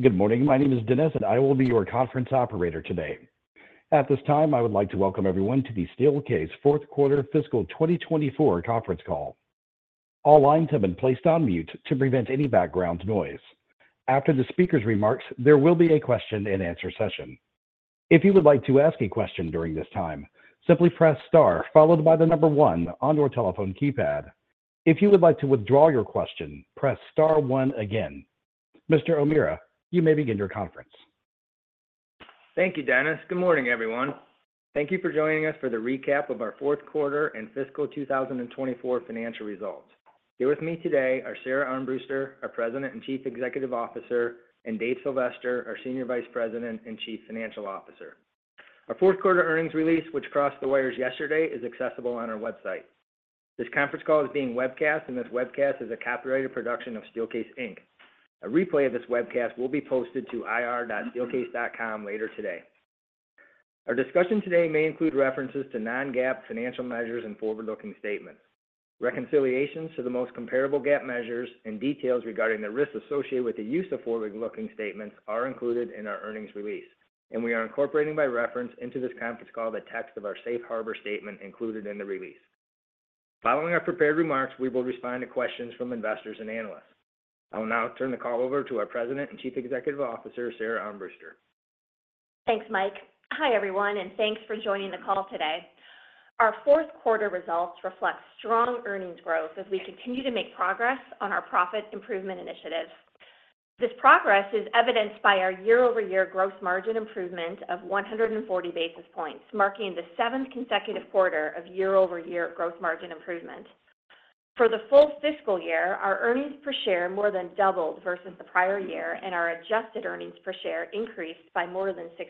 Good morning. My name is Dennis, and I will be your conference operator today. At this time, I would like to welcome everyone to the Steelcase fourth quarter fiscal 2024 conference call. All lines have been placed on mute to prevent any background noise. After the speaker's remarks, there will be a question-and-answer session. If you would like to ask a question during this time, simply press star followed by the number one on your telephone keypad. If you would like to withdraw your question, press star one again. Mr. O'Meara, you may begin your conference. Thank you, Dennis. Good morning, everyone. Thank you for joining us for the recap of our fourth quarter and fiscal 2024 financial results. Here with me today are Sara Armbruster, our President and Chief Executive Officer, and Dave Sylvester, our Senior Vice President and Chief Financial Officer. Our fourth quarter earnings release, which crossed the wires yesterday, is accessible on our website. This conference call is being webcast, and this webcast is a copyrighted production of Steelcase, Inc. A replay of this webcast will be posted to ir.steelcase.com later today. Our discussion today may include references to non-GAAP financial measures and forward-looking statements. Reconciliations to the most comparable GAAP measures and details regarding the risks associated with the use of forward-looking statements are included in our earnings release, and we are incorporating by reference into this conference call the text of our Safe Harbor Statement included in the release. Following our prepared remarks, we will respond to questions from investors and analysts. I will now turn the call over to our President and Chief Executive Officer, Sara Armbruster. Thanks, Mike. Hi, everyone, and thanks for joining the call today. Our fourth quarter results reflect strong earnings growth as we continue to make progress on our profit improvement initiatives. This progress is evidenced by our year-over-year gross margin improvement of 140 basis points, marking the seventh consecutive quarter of year-over-year gross margin improvement. For the full fiscal year, our earnings per share more than doubled versus the prior year, and our adjusted earnings per share increased by more than 60%.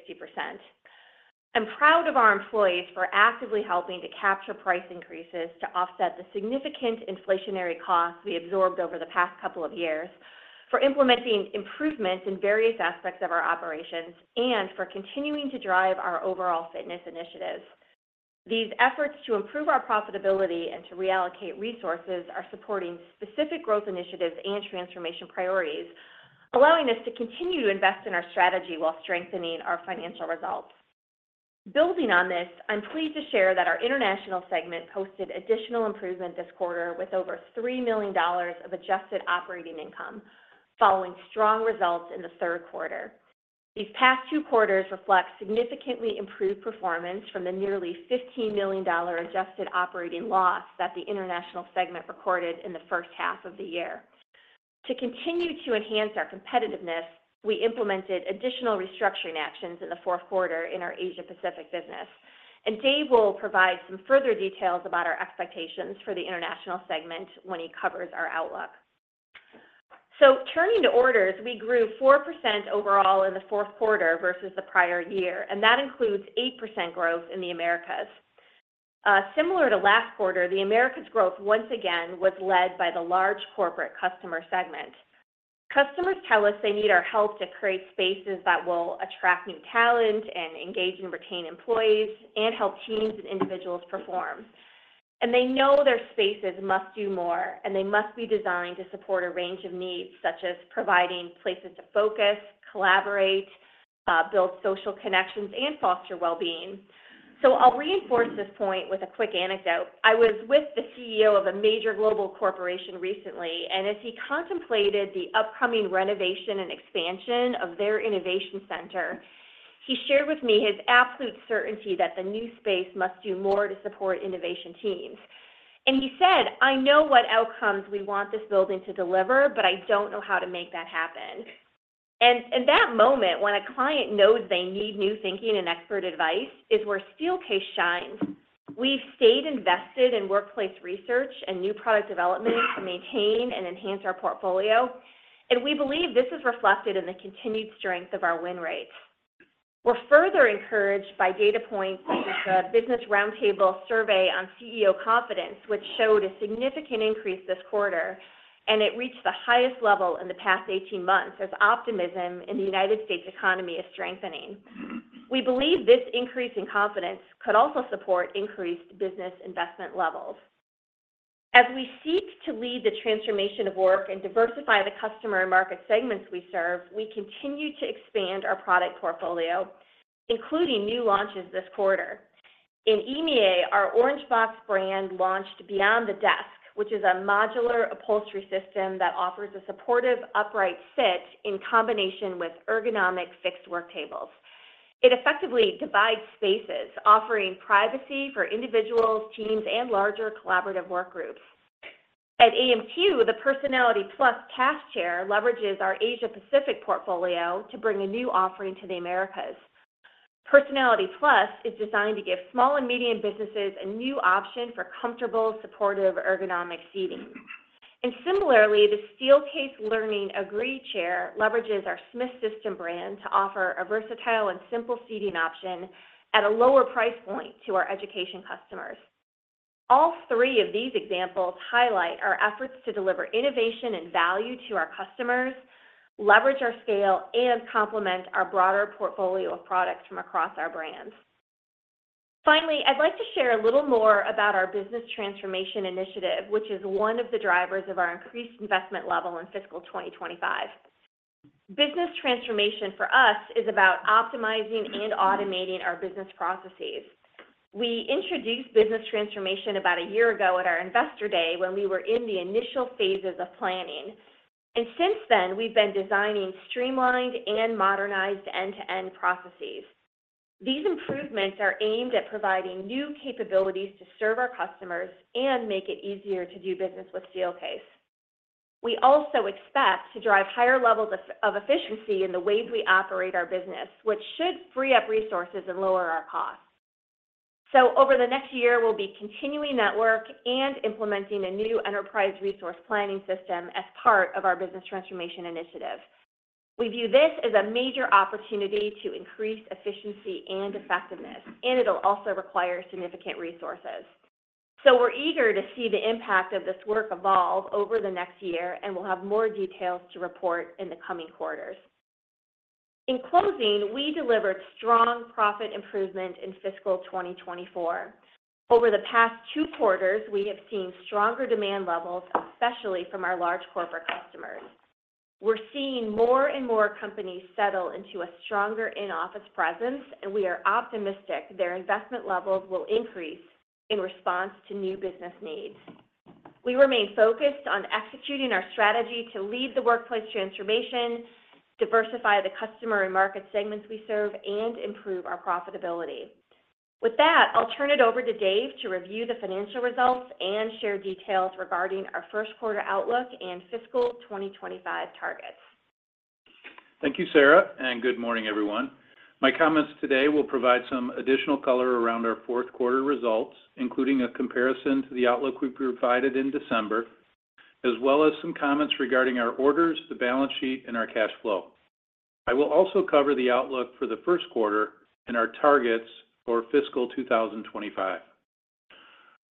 I'm proud of our employees for actively helping to capture price increases to offset the significant inflationary costs we absorbed over the past couple of years, for implementing improvements in various aspects of our operations, and for continuing to drive our overall fitness initiatives. These efforts to improve our profitability and to reallocate resources are supporting specific growth initiatives and transformation priorities, allowing us to continue to invest in our strategy while strengthening our financial results. Building on this, I'm pleased to share that our international segment posted additional improvement this quarter with over $3 million of adjusted operating income, following strong results in the third quarter. These past two quarters reflect significantly improved performance from the nearly $15 million adjusted operating loss that the international segment recorded in the first half of the year. To continue to enhance our competitiveness, we implemented additional restructuring actions in the fourth quarter in our Asia-Pacific business, and Dave will provide some further details about our expectations for the international segment when he covers our outlook. Turning to orders, we grew 4% overall in the fourth quarter versus the prior year, and that includes 8% growth in the Americas. Similar to last quarter, the Americas' growth once again was led by the large corporate customer segment. Customers tell us they need our help to create spaces that will attract new talent and engage and retain employees, and help teams and individuals perform. They know their spaces must do more, and they must be designed to support a range of needs such as providing places to focus, collaborate, build social connections, and foster well-being. I'll reinforce this point with a quick anecdote. I was with the CEO of a major global corporation recently, and as he contemplated the upcoming renovation and expansion of their innovation center, he shared with me his absolute certainty that the new space must do more to support innovation teams. He said, "I know what outcomes we want this building to deliver, but I don't know how to make that happen." That moment when a client knows they need new thinking and expert advice is where Steelcase shines. We've stayed invested in workplace research and new product development to maintain and enhance our portfolio, and we believe this is reflected in the continued strength of our win rates. We're further encouraged by data points such as the Business Roundtable survey on CEO confidence, which showed a significant increase this quarter, and it reached the highest level in the past 18 months as optimism in the United States economy is strengthening. We believe this increase in confidence could also support increased business investment levels. As we seek to lead the transformation of work and diversify the customer and market segments we serve, we continue to expand our product portfolio, including new launches this quarter. In EMEA, our Orangebox brand launched Beyond the Desk, which is a modular upholstery system that offers a supportive upright sit in combination with ergonomic fixed work tables. It effectively divides spaces, offering privacy for individuals, teams, and larger collaborative work groups. At AMQ, the Personality Plus chair leverages our Asia-Pacific portfolio to bring a new offering to the Americas. Personality Plus is designed to give small and medium businesses a new option for comfortable, supportive ergonomic seating. And similarly, the Steelcase Learning Agree chair leverages our Smith System brand to offer a versatile and simple seating option at a lower price point to our education customers. All three of these examples highlight our efforts to deliver innovation and value to our customers, leverage our scale, and complement our broader portfolio of products from across our brands. Finally, I'd like to share a little more about our business transformation initiative, which is one of the drivers of our increased investment level in fiscal 2025. Business transformation for us is about optimizing and automating our business processes. We introduced business transformation about a year ago at our investor day when we were in the initial phases of planning, and since then, we've been designing streamlined and modernized end-to-end processes. These improvements are aimed at providing new capabilities to serve our customers and make it easier to do business with Steelcase. We also expect to drive higher levels of efficiency in the ways we operate our business, which should free up resources and lower our costs. Over the next year, we'll be continuing that work and implementing a new enterprise resource planning system as part of our Business Transformation Initiative. We view this as a major opportunity to increase efficiency and effectiveness, and it'll also require significant resources. We're eager to see the impact of this work evolve over the next year, and we'll have more details to report in the coming quarters. In closing, we delivered strong profit improvement in fiscal 2024. Over the past two quarters, we have seen stronger demand levels, especially from our large corporate customers. We're seeing more and more companies settle into a stronger in-office presence, and we are optimistic their investment levels will increase in response to new business needs. We remain focused on executing our strategy to lead the workplace transformation, diversify the customer and market segments we serve, and improve our profitability. With that, I'll turn it over to Dave to review the financial results and share details regarding our first quarter outlook and fiscal 2025 targets. Thank you, Sara, and good morning, everyone. My comments today will provide some additional color around our fourth quarter results, including a comparison to the outlook we provided in December, as well as some comments regarding our orders, the balance sheet, and our cash flow. I will also cover the outlook for the first quarter and our targets for fiscal 2025.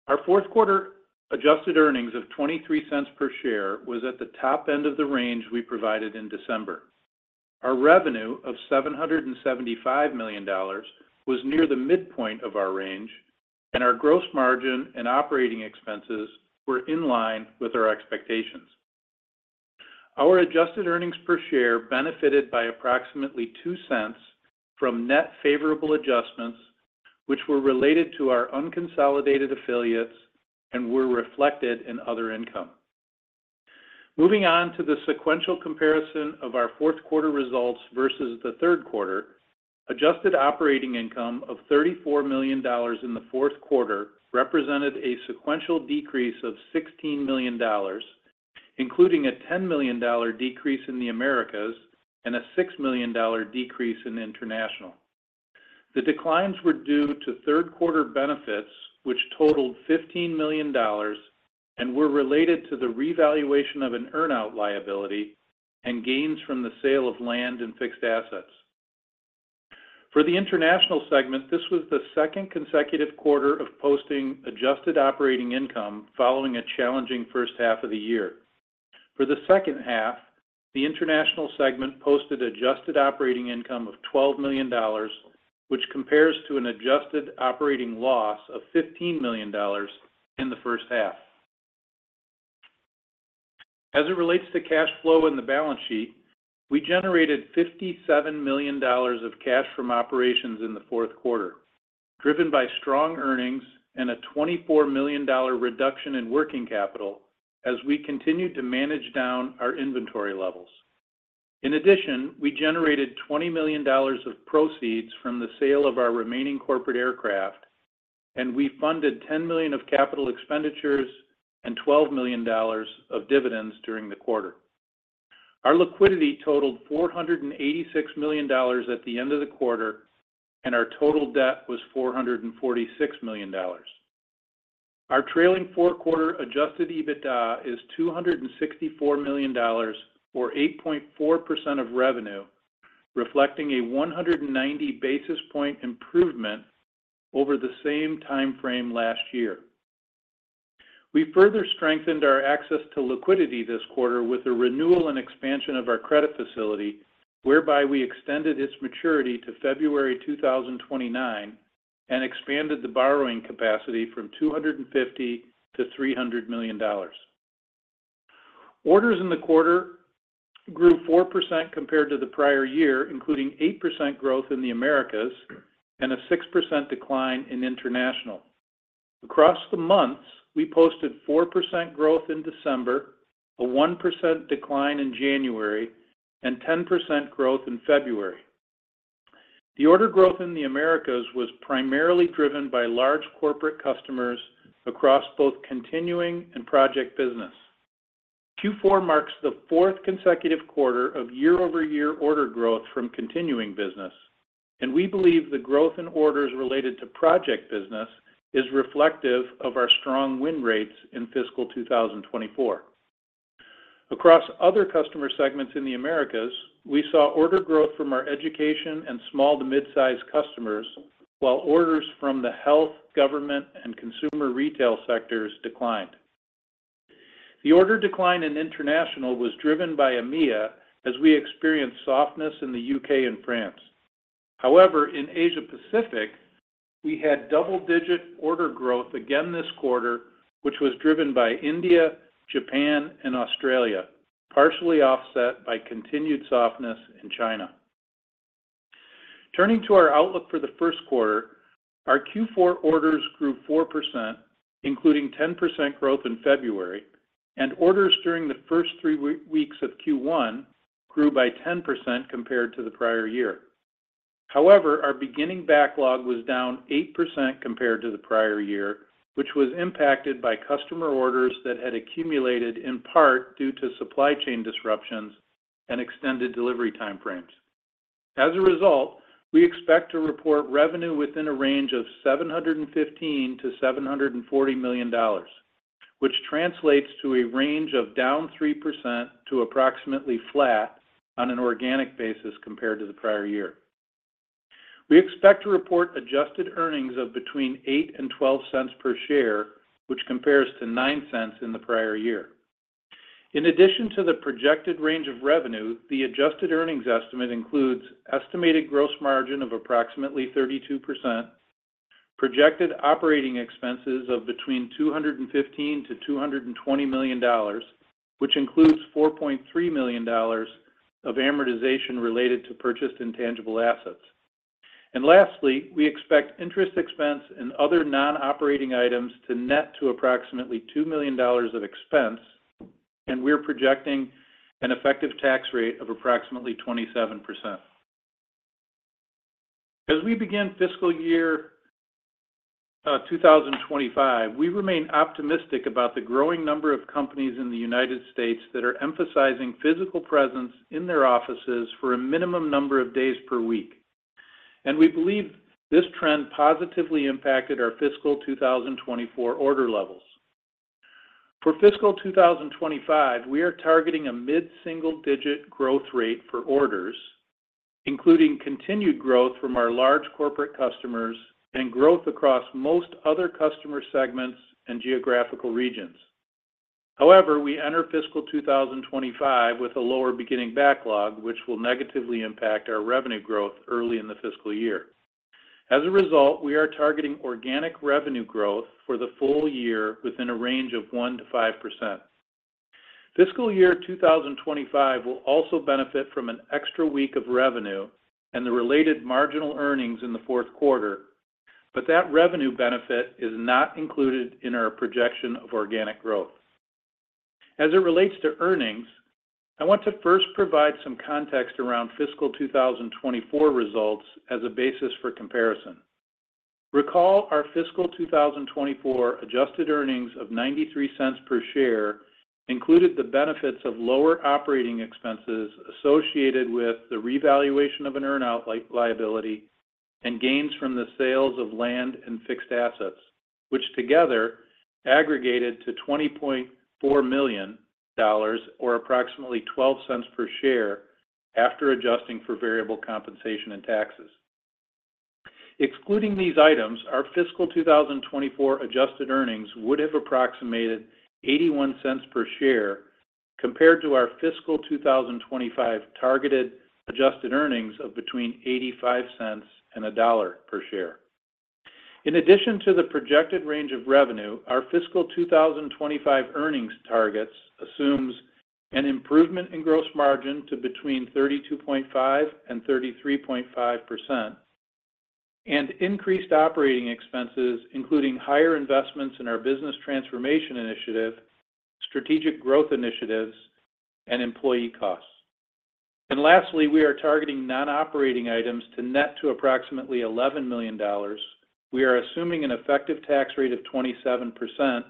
Our fourth quarter adjusted earnings of $0.23 per share was at the top end of the range we provided in December. Our revenue of $775 million was near the midpoint of our range, and our gross margin and operating expenses were in line with our expectations. Our adjusted earnings per share benefited by approximately $0.02 from net favorable adjustments, which were related to our unconsolidated affiliates and were reflected in other income. Moving on to the sequential comparison of our fourth quarter results versus the third quarter, adjusted operating income of $34 million in the fourth quarter represented a sequential decrease of $16 million, including a $10 million decrease in the Americas and a $6 million decrease in International. The declines were due to third quarter benefits, which totaled $15 million and were related to the revaluation of an earnout liability and gains from the sale of land and fixed assets. For the International segment, this was the second consecutive quarter of posting adjusted operating income following a challenging first half of the year. For the second half, the International segment posted adjusted operating income of $12 million, which compares to an adjusted operating loss of $15 million in the first half. As it relates to cash flow and the balance sheet, we generated $57 million of cash from operations in the fourth quarter, driven by strong earnings and a $24 million reduction in working capital as we continued to manage down our inventory levels. In addition, we generated $20 million of proceeds from the sale of our remaining corporate aircraft, and we funded $10 million of capital expenditures and $12 million of dividends during the quarter. Our liquidity totaled $486 million at the end of the quarter, and our total debt was $446 million. Our trailing four-quarter adjusted EBITDA is $264 million, or 8.4% of revenue, reflecting a 190 basis points improvement over the same time frame last year. We further strengthened our access to liquidity this quarter with a renewal and expansion of our credit facility, whereby we extended its maturity to February 2029 and expanded the borrowing capacity from $250 million-$300 million. Orders in the quarter grew 4% compared to the prior year, including 8% growth in the Americas and a 6% decline in International. Across the months, we posted 4% growth in December, a 1% decline in January, and 10% growth in February. The order growth in the Americas was primarily driven by large corporate customers across both continuing and project business. Q4 marks the fourth consecutive quarter of year-over-year order growth from continuing business, and we believe the growth in orders related to project business is reflective of our strong win rates in fiscal 2024. Across other customer segments in the Americas, we saw order growth from our education and small to midsize customers, while orders from the health, government, and consumer retail sectors declined. The order decline in international was driven by EMEA as we experienced softness in the U.K. and France. However, in Asia-Pacific, we had double-digit order growth again this quarter, which was driven by India, Japan, and Australia, partially offset by continued softness in China. Turning to our outlook for the first quarter, our Q4 orders grew 4%, including 10% growth in February, and orders during the first three weeks of Q1 grew by 10% compared to the prior year. However, our beginning backlog was down 8% compared to the prior year, which was impacted by customer orders that had accumulated in part due to supply chain disruptions and extended delivery time frames. As a result, we expect to report revenue within a range of $715 million-$740 million, which translates to a range of down 3% to approximately flat on an organic basis compared to the prior year. We expect to report adjusted earnings of between $0.08 and $0.12 per share, which compares to $0.09 in the prior year. In addition to the projected range of revenue, the adjusted earnings estimate includes estimated gross margin of approximately 32%, projected operating expenses of between $215 million-$220 million, which includes $4.3 million of amortization related to purchased intangible assets. And lastly, we expect interest expense and other non-operating items to net to approximately $2 million of expense, and we're projecting an effective tax rate of approximately 27%. As we begin fiscal year 2025, we remain optimistic about the growing number of companies in the United States that are emphasizing physical presence in their offices for a minimum number of days per week, and we believe this trend positively impacted our fiscal 2024 order levels. For fiscal 2025, we are targeting a mid-single-digit growth rate for orders, including continued growth from our large corporate customers and growth across most other customer segments and geographical regions. However, we enter fiscal 2025 with a lower beginning backlog, which will negatively impact our revenue growth early in the fiscal year. As a result, we are targeting organic revenue growth for the full-year within a range of 1%-5%. Fiscal year 2025 will also benefit from an extra week of revenue and the related marginal earnings in the fourth quarter, but that revenue benefit is not included in our projection of organic growth. As it relates to earnings, I want to first provide some context around fiscal 2024 results as a basis for comparison. Recall our fiscal 2024 adjusted earnings of $0.93 per share included the benefits of lower operating expenses associated with the revaluation of an earnout liability and gains from the sales of land and fixed assets, which together aggregated to $20.4 million, or approximately $0.12 per share after adjusting for variable compensation and taxes. Excluding these items, our fiscal 2024 adjusted earnings would have approximated $0.81 per share compared to our fiscal 2025 targeted adjusted earnings of between $0.85 and $1 per share. In addition to the projected range of revenue, our fiscal 2025 earnings targets assume an improvement in gross margin to between 32.5% and 33.5%, and increased operating expenses, including higher investments in our Business Transformation Initiative, strategic growth initiatives, and employee costs. Lastly, we are targeting non-operating items to net to approximately $11 million. We are assuming an effective tax rate of 27%,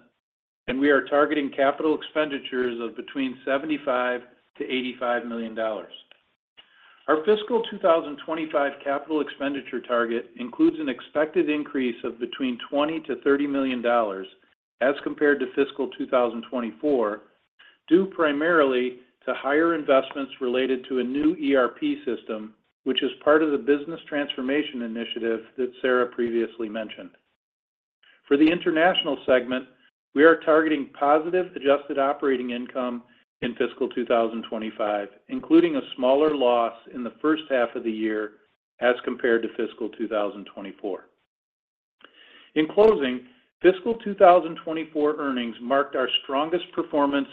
and we are targeting capital expenditures of between $75 million-$85 million. Our fiscal 2025 capital expenditure target includes an expected increase of between $20 million-$30 million as compared to fiscal 2024, due primarily to higher investments related to a new ERP system, which is part of the Business Transformation Initiative that Sara previously mentioned. For the international segment, we are targeting positive adjusted operating income in fiscal 2025, including a smaller loss in the first half of the year as compared to fiscal 2024. In closing, fiscal 2024 earnings marked our strongest performance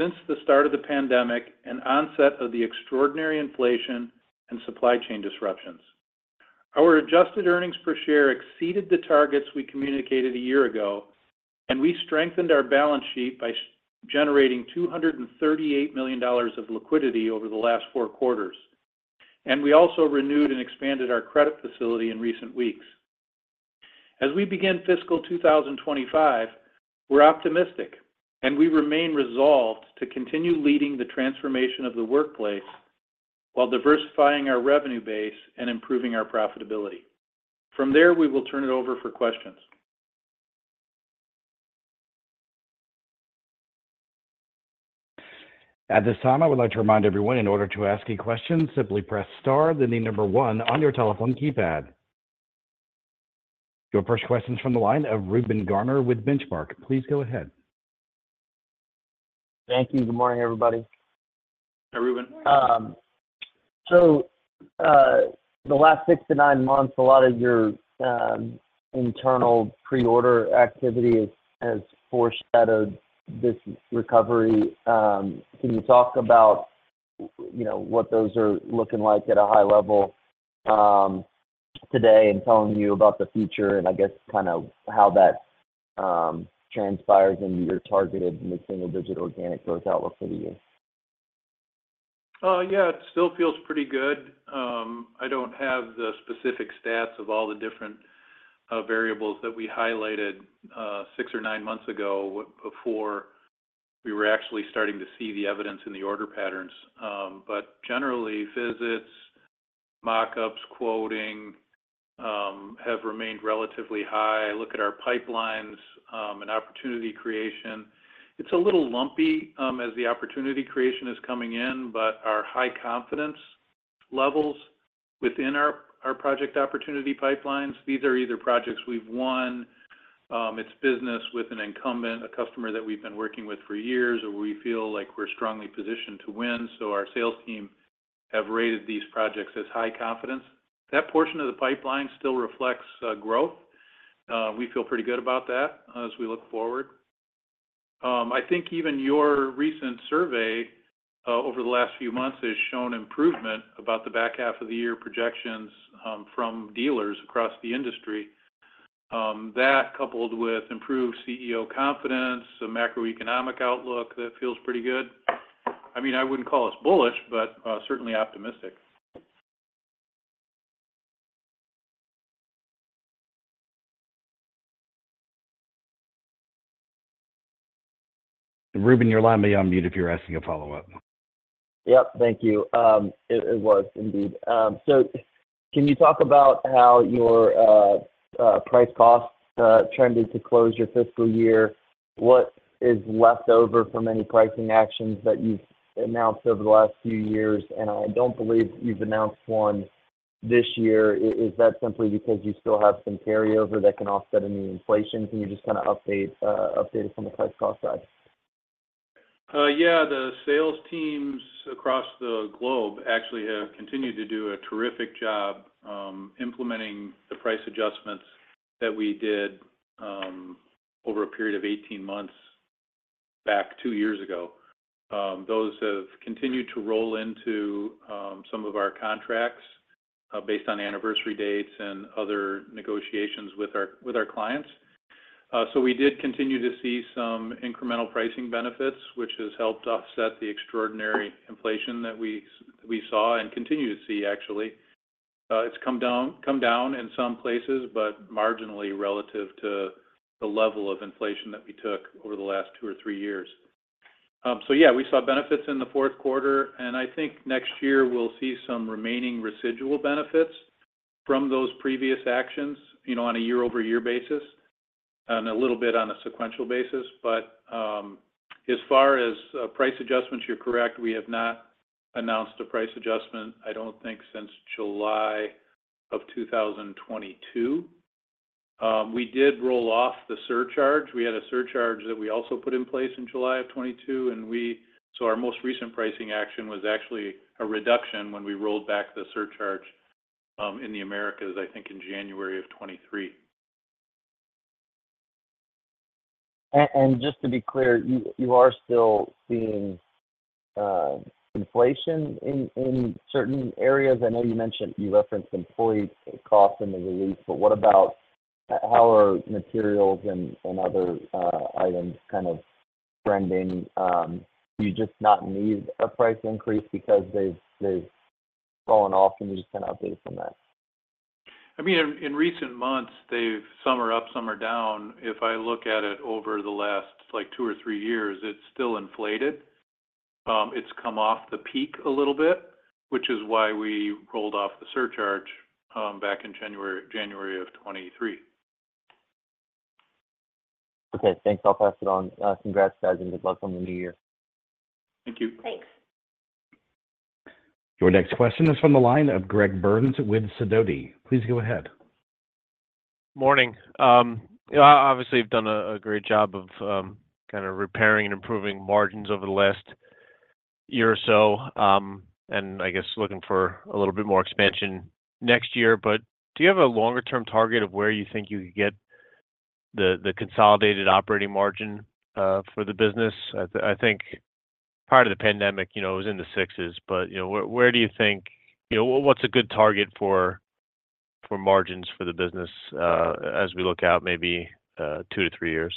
since the start of the pandemic and onset of the extraordinary inflation and supply chain disruptions. Our adjusted earnings per share exceeded the targets we communicated a year ago, and we strengthened our balance sheet by generating $238 million of liquidity over the last four quarters, and we also renewed and expanded our credit facility in recent weeks. As we begin fiscal 2025, we're optimistic, and we remain resolved to continue leading the transformation of the workplace while diversifying our revenue base and improving our profitability. From there, we will turn it over for questions. At this time, I would like to remind everyone, in order to ask any questions, simply press star and then the number one on your telephone keypad. Your first question is from the line of Reuben Garner with Benchmark. Please go ahead. Thank you. Good morning, everybody. Hi, Reuben. So the last six to nine months, a lot of your internal pre-order activity has foreshadowed this recovery. Can you talk about what those are looking like at a high level today and telling you about the future, and I guess kind of how that transpires into your targeted mid-single-digit organic growth outlook for the year? Yeah, it still feels pretty good. I don't have the specific stats of all the different variables that we highlighted six or nine months ago before we were actually starting to see the evidence in the order patterns. But generally, visits, mockups, quoting have remained relatively high. I look at our pipelines and opportunity creation. It's a little lumpy as the opportunity creation is coming in, but our high confidence levels within our project opportunity pipelines, these are either projects we've won, it's business with an incumbent, a customer that we've been working with for years, or we feel like we're strongly positioned to win, so our sales team have rated these projects as high confidence. That portion of the pipeline still reflects growth. We feel pretty good about that as we look forward. I think even your recent survey over the last few months has shown improvement about the back half of the year projections from dealers across the industry. That, coupled with improved CEO confidence, a macroeconomic outlook that feels pretty good. I mean, I wouldn't call us bullish, but certainly optimistic. Reuben, you're allowing me to unmute if you're asking a follow-up. Yep, thank you. It was, indeed. So can you talk about how your price-cost trended to close your fiscal year? What is left over from any pricing actions that you've announced over the last few years, and I don't believe you've announced one this year. Is that simply because you still have some carryover that can offset any inflation? Can you just kind of update it from the price-cost side? Yeah, the sales teams across the globe actually have continued to do a terrific job implementing the price adjustments that we did over a period of 18 months back two years ago. Those have continued to roll into some of our contracts based on anniversary dates and other negotiations with our clients. So we did continue to see some incremental pricing benefits, which has helped offset the extraordinary inflation that we saw and continue to see, actually. It's come down in some places, but marginally relative to the level of inflation that we took over the last two or three years. So yeah, we saw benefits in the fourth quarter, and I think next year we'll see some remaining residual benefits from those previous actions on a year-over-year basis and a little bit on a sequential basis. But as far as price adjustments, you're correct. We have not announced a price adjustment, I don't think, since July of 2022. We did roll off the surcharge. We had a surcharge that we also put in place in July of 2022, and so our most recent pricing action was actually a reduction when we rolled back the surcharge in the Americas, I think, in January of 2023. Just to be clear, you are still seeing inflation in certain areas. I know you mentioned you referenced employee costs in the release, but how are materials and other items kind of trending? Do you just not need a price increase because they've fallen off? Can you just kind of update us on that? I mean, in recent months, they've some are up, some are down. If I look at it over the last two or three years, it's still inflated. It's come off the peak a little bit, which is why we rolled off the surcharge back in January of 2023. Okay, thanks. I'll pass it on. Congrats, guys, and good luck on the new year. Thank you. Thanks. Your next question is from the line of Greg Burns with Sidoti. Please go ahead. Morning. Obviously, we've done a great job of kind of repairing and improving margins over the last year or so, and I guess looking for a little bit more expansion next year. But do you have a longer-term target of where you think you could get the consolidated operating margin for the business? I think part of the pandemic was in the sixes, but where do you think what's a good target for margins for the business as we look out maybe two to three years?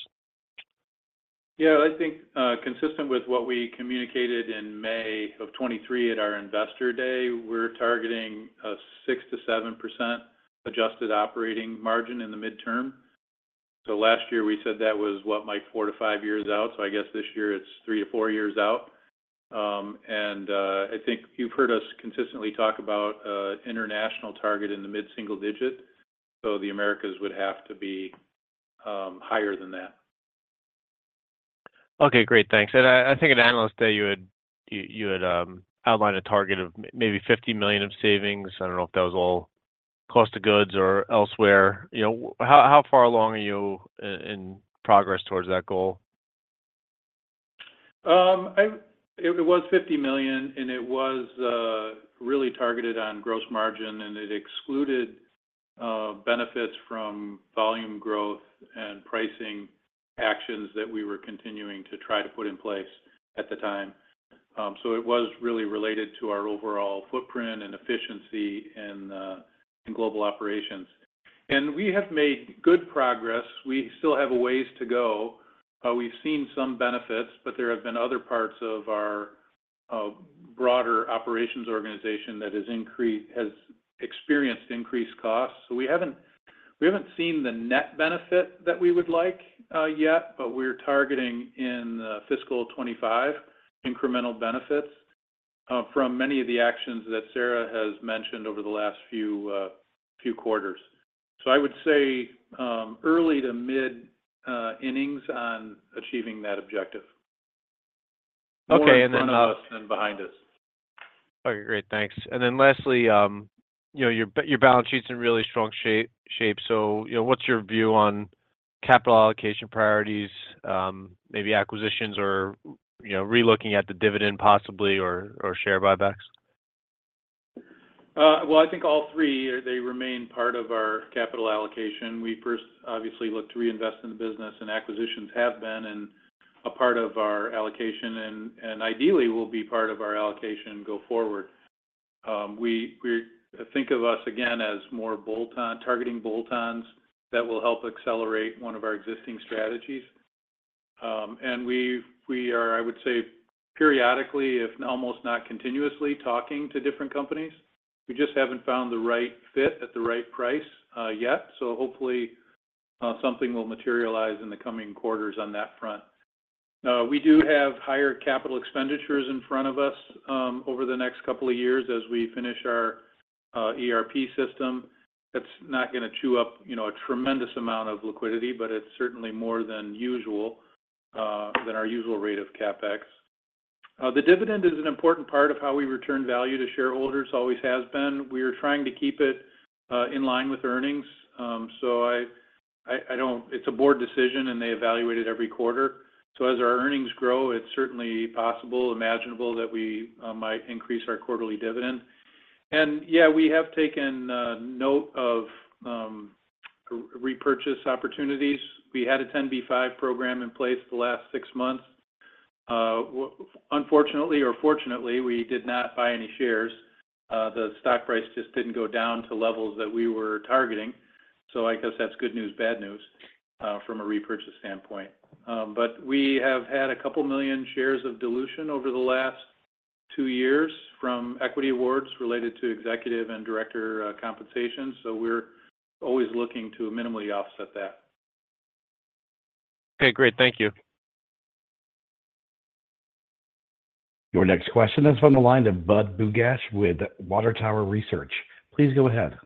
Yeah, I think consistent with what we communicated in May of 2023 at our investor day, we're targeting a 6%-7% adjusted operating margin in the midterm. So last year, we said that was what, Mike, four to five years out. So I guess this year it's three to four years out. And I think you've heard us consistently talk about an international target in the mid-single digit, so the Americas would have to be higher than that. Okay, great. Thanks. I think at analyst day, you had outlined a target of maybe $50 million of savings. I don't know if that was all cost of goods or elsewhere. How far along are you in progress towards that goal? It was $50 million, and it was really targeted on gross margin, and it excluded benefits from volume growth and pricing actions that we were continuing to try to put in place at the time. So it was really related to our overall footprint and efficiency in global operations. And we have made good progress. We still have a ways to go. We've seen some benefits, but there have been other parts of our broader operations organization that has experienced increased costs. So we haven't seen the net benefit that we would like yet, but we're targeting in fiscal 2025 incremental benefits from many of the actions that Sara has mentioned over the last few quarters. So I would say early to mid-innings on achieving that objective. Okay, and then. Before none of us and behind us. Okay, great. Thanks. And then lastly, your balance sheet's in really strong shape. So what's your view on capital allocation priorities, maybe acquisitions or relooking at the dividend possibly or share buybacks? Well, I think all three, they remain part of our capital allocation. We first, obviously, looked to reinvest in the business, and acquisitions have been a part of our allocation and ideally will be part of our allocation go forward. We think of us, again, as targeting bolt-ons that will help accelerate one of our existing strategies. We are, I would say, periodically, if almost not continuously, talking to different companies. We just haven't found the right fit at the right price yet, so hopefully, something will materialize in the coming quarters on that front. We do have higher capital expenditures in front of us over the next couple of years as we finish our ERP system. That's not going to chew up a tremendous amount of liquidity, but it's certainly more than usual, than our usual rate of CapEx. The dividend is an important part of how we return value to shareholders. Always has been. We are trying to keep it in line with earnings. So it's a board decision, and they evaluate it every quarter. So as our earnings grow, it's certainly possible, imaginable, that we might increase our quarterly dividend. And yeah, we have taken note of repurchase opportunities. We had a 10b5 program in place the last six months. Unfortunately or fortunately, we did not buy any shares. The stock price just didn't go down to levels that we were targeting. So I guess that's good news, bad news from a repurchase standpoint. But we have had a couple million shares of dilution over the last two years from equity awards related to executive and director compensation. So we're always looking to minimally offset that. Okay, great. Thank you. Your next question is from the line of Budd Bugatch with Water Tower Research. Please go ahead.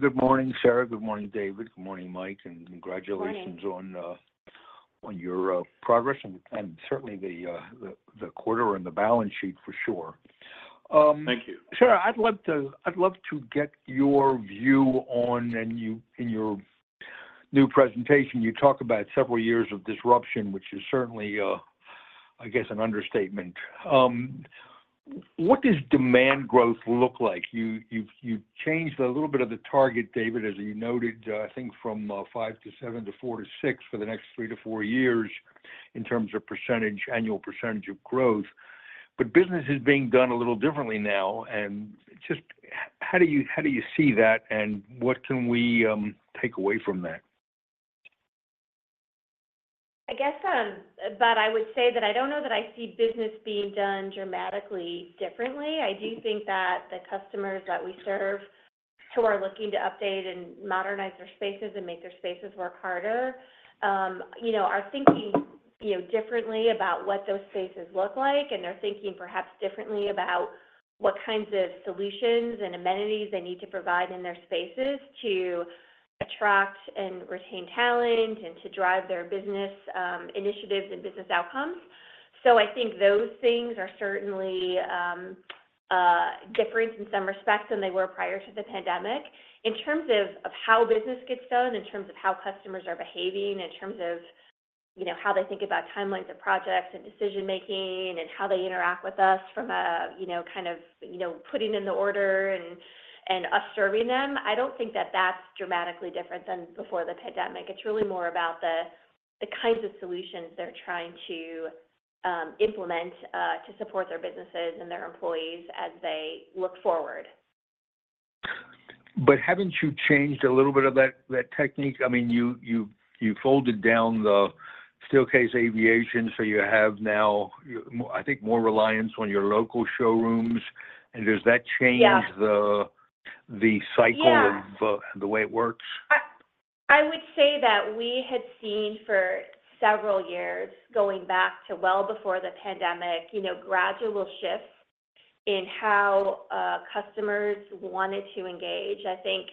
Good morning, Sara. Good morning, Dave. Good morning, Mike. Congratulations on your progress and certainly the quarter and the balance sheet, for sure. Thank you. Sara, I'd love to get your view on in your new presentation. You talk about several years of disruption, which is certainly, I guess, an understatement. What does demand growth look like? You've changed a little bit of the target, Dave, as you noted, I think, from 5%-7% to 4%-6% for the next three to four years in terms of annual percentage of growth. But business is being done a little differently now. And just how do you see that, and what can we take away from that? I guess, Budd, I would say that I don't know that I see business being done dramatically differently. I do think that the customers that we serve who are looking to update and modernize their spaces and make their spaces work harder are thinking differently about what those spaces look like, and they're thinking perhaps differently about what kinds of solutions and amenities they need to provide in their spaces to attract and retain talent and to drive their business initiatives and business outcomes. So I think those things are certainly different in some respects than they were prior to the pandemic. In terms of how business gets done, in terms of how customers are behaving, in terms of how they think about timelines of projects and decision-making, and how they interact with us from kind of putting in the order and us serving them, I don't think that that's dramatically different than before the pandemic. It's really more about the kinds of solutions they're trying to implement to support their businesses and their employees as they look forward. Haven't you changed a little bit of that technique? I mean, you folded down the Steelcase Aviation, so you have now, I think, more reliance on your local showrooms. Does that change the cycle of the way it works? I would say that we had seen for several years, going back to well before the pandemic, gradual shifts in how customers wanted to engage. I think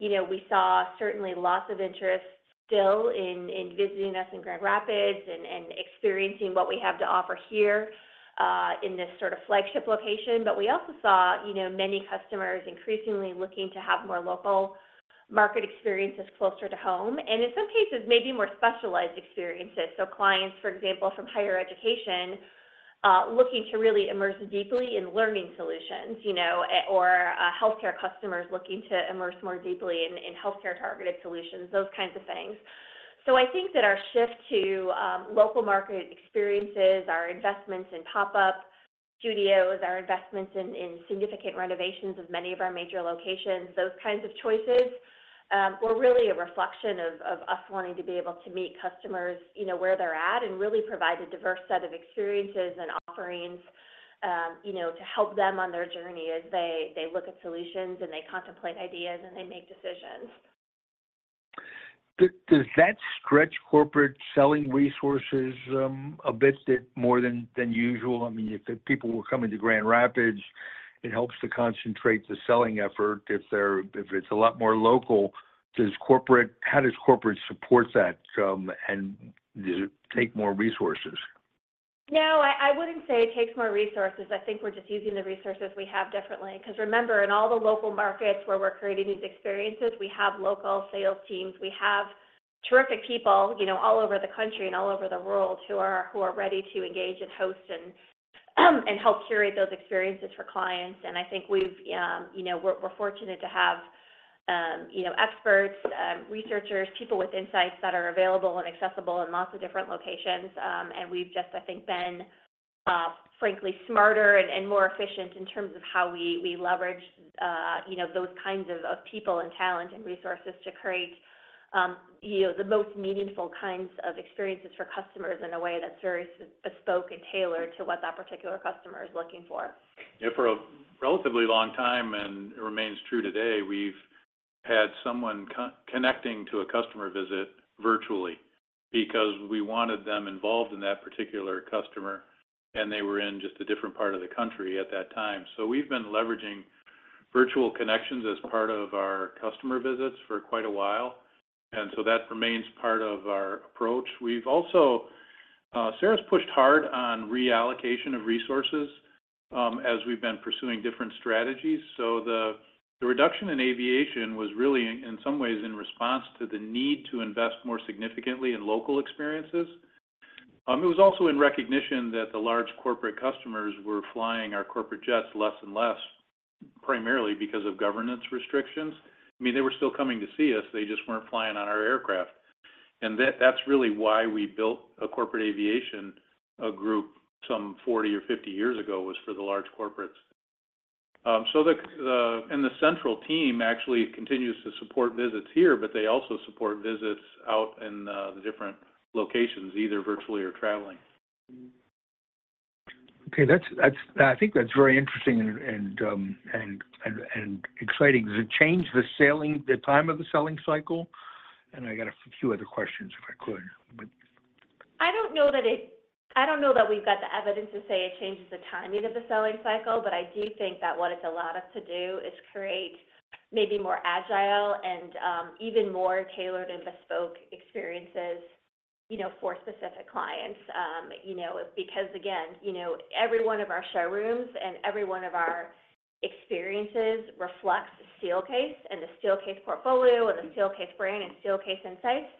we saw certainly lots of interest still in visiting us in Grand Rapids and experiencing what we have to offer here in this sort of flagship location. But we also saw many customers increasingly looking to have more local market experiences closer to home and, in some cases, maybe more specialized experiences. So clients, for example, from higher education looking to really immerse deeply in learning solutions or healthcare customers looking to immerse more deeply in healthcare-targeted solutions, those kinds of things. So I think that our shift to local market experiences, our investments in pop-up studios, our investments in significant renovations of many of our major locations, those kinds of choices were really a reflection of us wanting to be able to meet customers where they're at and really provide a diverse set of experiences and offerings to help them on their journey as they look at solutions and they contemplate ideas and they make decisions. Does that stretch corporate selling resources a bit more than usual? I mean, if people were coming to Grand Rapids, it helps to concentrate the selling effort. If it's a lot more local, how does corporate support that, and does it take more resources? No, I wouldn't say it takes more resources. I think we're just using the resources we have differently. Because remember, in all the local markets where we're creating these experiences, we have local sales teams. We have terrific people all over the country and all over the world who are ready to engage and host and help curate those experiences for clients. I think we're fortunate to have experts, researchers, people with insights that are available and accessible in lots of different locations. We've just, I think, been, frankly, smarter and more efficient in terms of how we leverage those kinds of people and talent and resources to create the most meaningful kinds of experiences for customers in a way that's very bespoke and tailored to what that particular customer is looking for. For a relatively long time, and it remains true today, we've had someone connecting to a customer visit virtually because we wanted them involved in that particular customer, and they were in just a different part of the country at that time. So we've been leveraging virtual connections as part of our customer visits for quite a while, and so that remains part of our approach. Sara's pushed hard on reallocation of resources as we've been pursuing different strategies. So the reduction in aviation was really, in some ways, in response to the need to invest more significantly in local experiences. It was also in recognition that the large corporate customers were flying our corporate jets less and less, primarily because of governance restrictions. I mean, they were still coming to see us. They just weren't flying on our aircraft. That's really why we built a corporate aviation group some 40 or 50 years ago, was for the large corporates. The central team actually continues to support visits here, but they also support visits out in the different locations, either virtually or traveling. Okay. I think that's very interesting and exciting. Does it change the time of the selling cycle? And I got a few other questions if I could, but. I don't know that we've got the evidence to say it changes the timing of the selling cycle, but I do think that what it's allowed us to do is create maybe more agile and even more tailored and bespoke experiences for specific clients. Because, again, every one of our showrooms and every one of our experiences reflects Steelcase and the Steelcase portfolio and the Steelcase brand and Steelcase insights.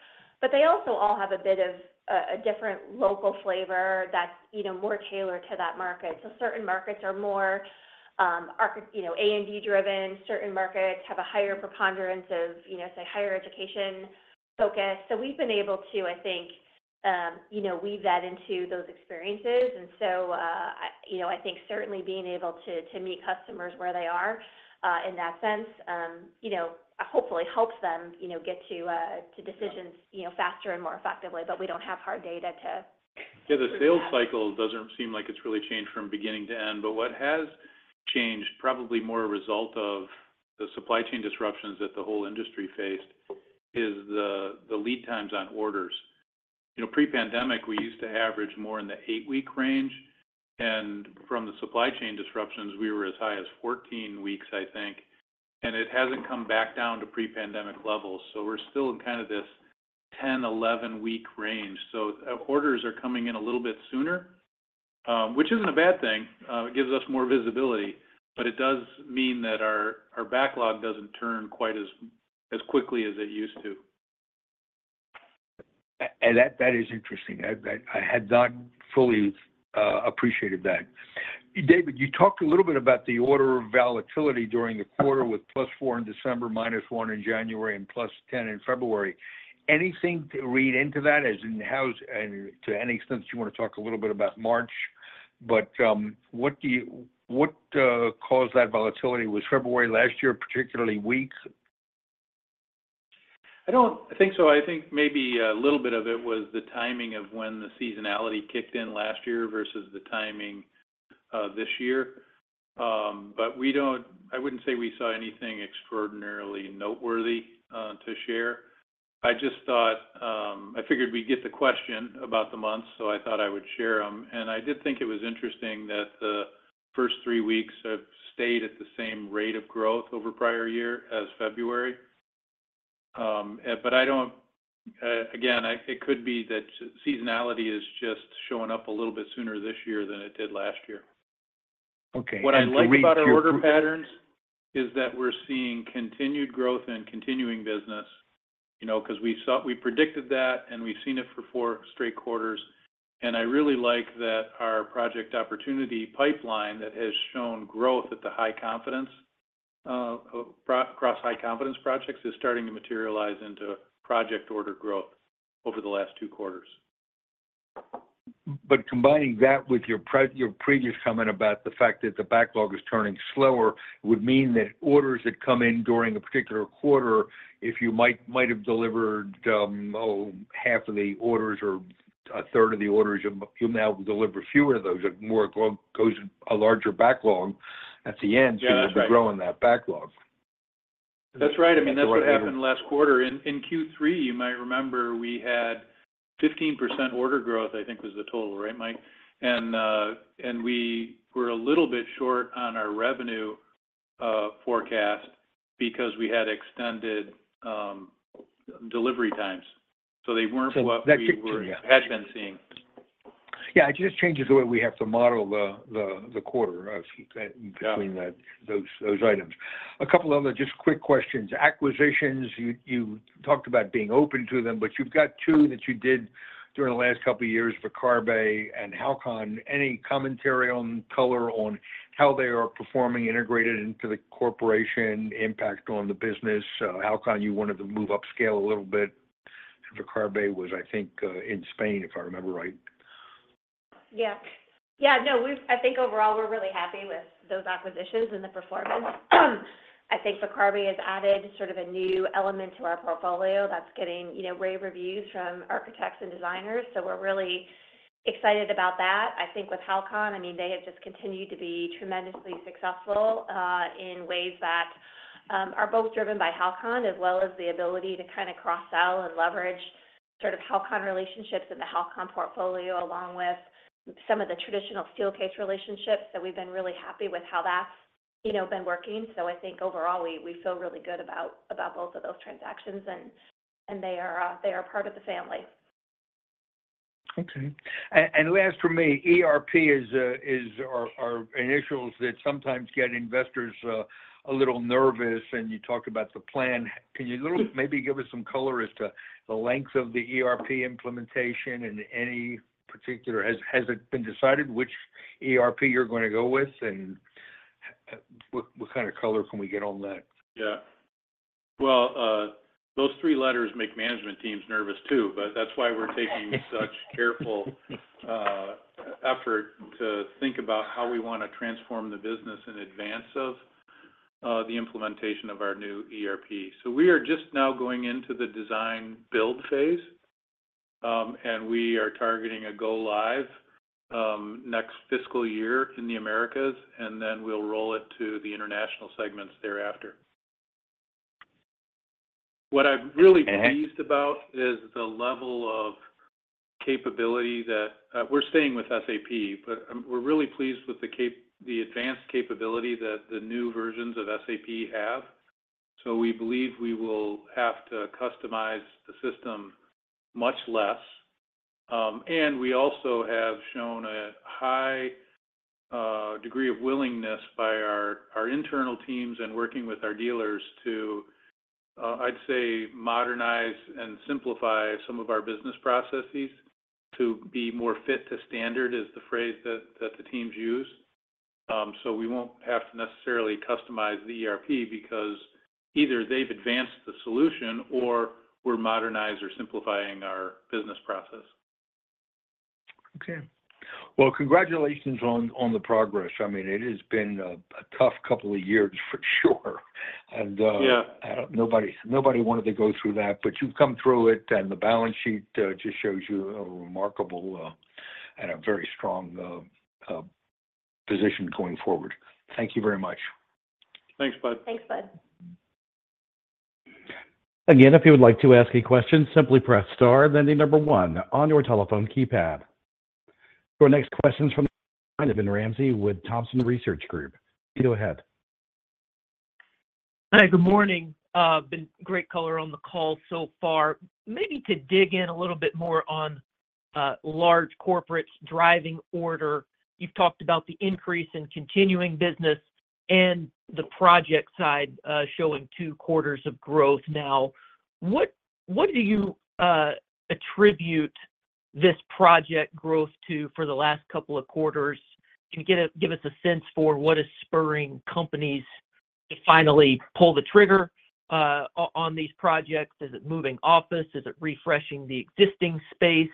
But they also all have a bit of a different local flavor that's more tailored to that market. So certain markets are more A&D-driven. Certain markets have a higher preponderance of, say, higher education focus. So we've been able to, I think, weave that into those experiences. And so I think certainly being able to meet customers where they are in that sense hopefully helps them get to decisions faster and more effectively. But we don't have hard data to. Yeah, the sales cycle doesn't seem like it's really changed from beginning to end. But what has changed, probably more a result of the supply chain disruptions that the whole industry faced, is the lead times on orders. Pre-pandemic, we used to average more in the eight-week range. From the supply chain disruptions, we were as high as 14 weeks, I think. It hasn't come back down to pre-pandemic levels. So we're still in kind of this 10-11-week range. So orders are coming in a little bit sooner, which isn't a bad thing. It gives us more visibility. But it does mean that our backlog doesn't turn quite as quickly as it used to. That is interesting. I had not fully appreciated that. David, you talked a little bit about the order of volatility during the quarter with +4 in December, -1 in January, and +10 in February. Anything to read into that? As in, to any extent, do you want to talk a little bit about March? But what caused that volatility? Was February last year particularly weak? I don't think so. I think maybe a little bit of it was the timing of when the seasonality kicked in last year versus the timing of this year. But I wouldn't say we saw anything extraordinarily noteworthy to share. I figured we'd get the question about the months, so I thought I would share them. And I did think it was interesting that the first three weeks have stayed at the same rate of growth over prior year as February. But again, it could be that seasonality is just showing up a little bit sooner this year than it did last year. What I like about our order patterns is that we're seeing continued growth and continuing business because we predicted that, and we've seen it for four straight quarters. I really like that our project opportunity pipeline that has shown growth across high-confidence projects is starting to materialize into project order growth over the last two quarters. But combining that with your previous comment about the fact that the backlog is turning slower would mean that orders that come in during a particular quarter, if you might have delivered half of the orders or a third of the orders, you'll now deliver fewer of those. It goes a larger backlog at the end. So you'll be growing that backlog. That's right. I mean, that's what happened last quarter. In Q3, you might remember, we had 15% order growth, I think, was the total, right, Mike? And we were a little bit short on our revenue forecast because we had extended delivery times. So they weren't what we had been seeing. Yeah, it just changes the way we have to model the quarter between those items. A couple of other just quick questions. Acquisitions, you talked about being open to them, but you've got two that you did during the last couple of years, Viccarbe and HALCON. Any commentary on color on how they are performing, integrated into the corporation, impact on the business? HALCON, you wanted to move upscale a little bit. Viccarbe was, I think, in Spain, if I remember right. Yeah. Yeah. No, I think overall, we're really happy with those acquisitions and the performance. I think Viccarbe has added sort of a new element to our portfolio that's getting rave reviews from architects and designers. So we're really excited about that. I think with Halcon, I mean, they have just continued to be tremendously successful in ways that are both driven by Halcon as well as the ability to kind of cross-sell and leverage sort of Halcon relationships in the Halcon portfolio along with some of the traditional Steelcase relationships. So we've been really happy with how that's been working. So I think overall, we feel really good about both of those transactions, and they are part of the family. Okay. And last for me, ERP are initials that sometimes get investors a little nervous. And you talked about the plan. Can you maybe give us some color as to the length of the ERP implementation in any particular? Has it been decided which ERP you're going to go with, and what kind of color can we get on that? Yeah. Well, those three letters make management teams nervous too. But that's why we're taking such careful effort to think about how we want to transform the business in advance of the implementation of our new ERP. So we are just now going into the design-build phase, and we are targeting a go live next fiscal year in the Americas. And then we'll roll it to the international segments thereafter. What I'm really pleased about is the level of capability that we're staying with SAP, but we're really pleased with the advanced capability that the new versions of SAP have. So we believe we will have to customize the system much less. We also have shown a high degree of willingness by our internal teams and working with our dealers to, I'd say, modernize and simplify some of our business processes to be more fit to standard, is the phrase that the teams use. So we won't have to necessarily customize the ERP because either they've advanced the solution or we're modernizing or simplifying our business process. Okay. Well, congratulations on the progress. I mean, it has been a tough couple of years for sure. Nobody wanted to go through that, but you've come through it, and the balance sheet just shows you a remarkable and a very strong position going forward. Thank you very much. Thanks, Budd. Thanks, Budd. Again, if you would like to ask a question, simply press star, then the number one on your telephone keypad. Your next question from Steven Ramsey with Thompson Research Group. You go ahead. Hi, good morning. Been great color on the call so far. Maybe to dig in a little bit more on large corporates driving order. You've talked about the increase in continuing business and the project side showing two quarters of growth now. What do you attribute this project growth to for the last couple of quarters? Can you give us a sense for what is spurring companies to finally pull the trigger on these projects? Is it moving office? Is it refreshing the existing space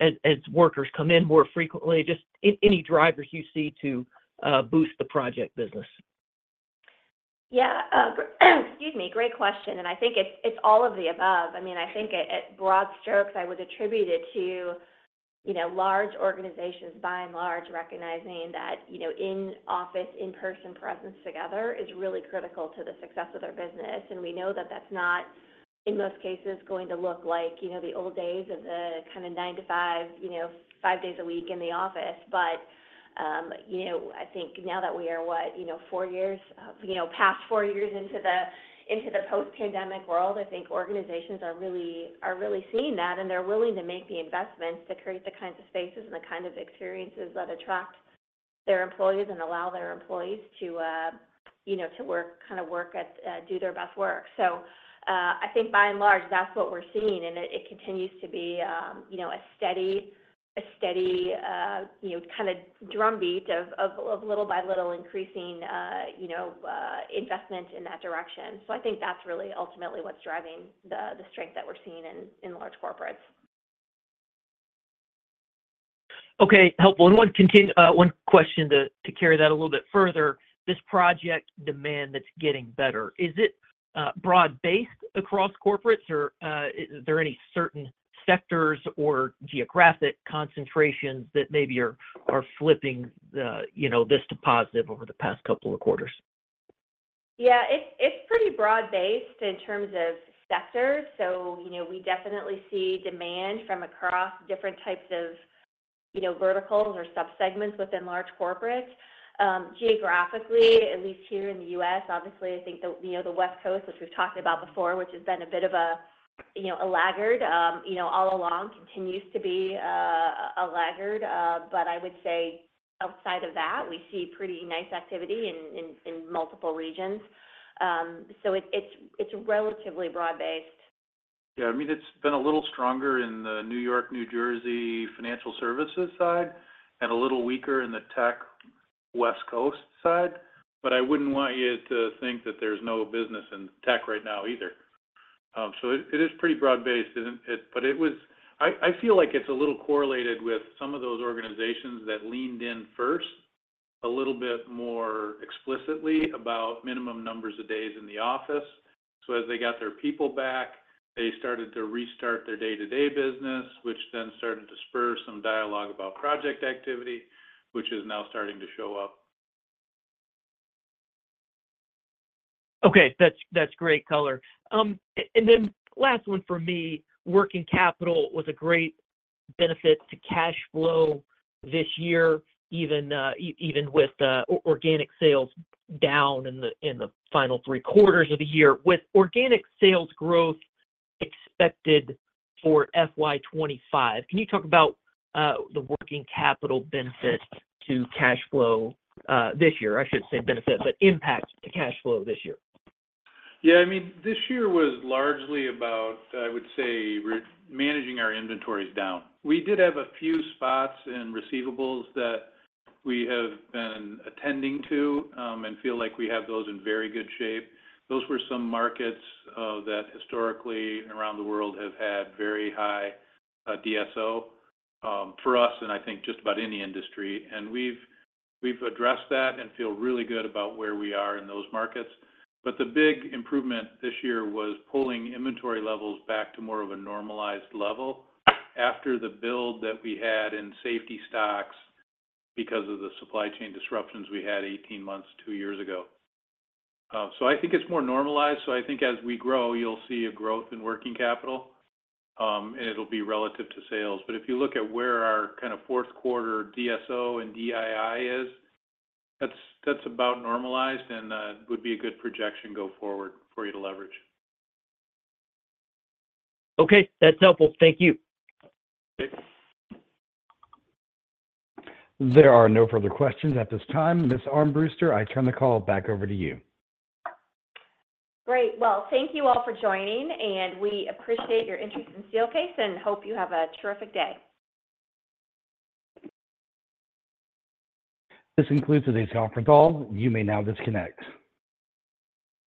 as workers come in more frequently? Just any drivers you see to boost the project business. Yeah. Excuse me. Great question. And I think it's all of the above. I mean, I think at broad strokes, I would attribute it to large organizations by and large recognizing that in-office, in-person presence together is really critical to the success of their business. And we know that that's not, in most cases, going to look like the old days of the kind of 9:00 A.M. to 5:00 P.M., five days a week in the office. But I think now that we are what, four years past four years into the post-pandemic world, I think organizations are really seeing that, and they're willing to make the investments to create the kinds of spaces and the kinds of experiences that attract their employees and allow their employees to kind of do their best work. So I think by and large, that's what we're seeing. It continues to be a steady kind of drumbeat of little by little increasing investment in that direction. I think that's really ultimately what's driving the strength that we're seeing in large corporates. Okay. Helpful. And one question to carry that a little bit further. This project demand that's getting better, is it broad-based across corporates, or are there any certain sectors or geographic concentrations that maybe are flipping this to positive over the past couple of quarters? Yeah, it's pretty broad-based in terms of sectors. So we definitely see demand from across different types of verticals or subsegments within large corporates. Geographically, at least here in the U.S., obviously, I think the West Coast, which we've talked about before, which has been a bit of a laggard all along, continues to be a laggard. But I would say outside of that, we see pretty nice activity in multiple regions. So it's relatively broad-based. Yeah. I mean, it's been a little stronger in the New York, New Jersey financial services side and a little weaker in the tech West Coast side. But I wouldn't want you to think that there's no business in tech right now either. So it is pretty broad-based. But I feel like it's a little correlated with some of those organizations that leaned in first a little bit more explicitly about minimum numbers of days in the office. So as they got their people back, they started to restart their day-to-day business, which then started to spur some dialogue about project activity, which is now starting to show up. Okay. That's great color. And then last one for me, working capital was a great benefit to cash flow this year, even with organic sales down in the final three quarters of the year. With organic sales growth expected for FY 2025, can you talk about the working capital benefit to cash flow this year? I shouldn't say benefit, but impact to cash flow this year. Yeah. I mean, this year was largely about, I would say, managing our inventories down. We did have a few spots in receivables that we have been attending to and feel like we have those in very good shape. Those were some markets that historically around the world have had very high DSO for us and I think just about any industry. And we've addressed that and feel really good about where we are in those markets. But the big improvement this year was pulling inventory levels back to more of a normalized level after the build that we had in safety stocks because of the supply chain disruptions we had 18 months, two years ago. So I think it's more normalized. So I think as we grow, you'll see a growth in working capital, and it'll be relative to sales. If you look at where our kind of fourth quarter DSO and DII is, that's about normalized and would be a good projection go forward for you to leverage. Okay. That's helpful. Thank you. Okay. There are no further questions at this time. Ms. Armbruster, I turn the call back over to you. Great. Well, thank you all for joining. We appreciate your interest in Steelcase and hope you have a terrific day. This concludes today's conference call. You may now disconnect.